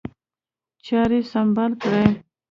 چاري سمبال کړي.